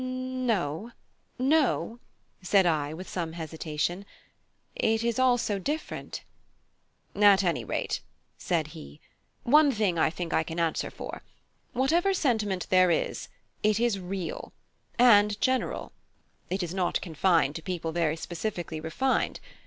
"N o no," said I, with some hesitation. "It is all so different." "At any rate," said he, "one thing I think I can answer for: whatever sentiment there is, it is real and general; it is not confined to people very specially refined.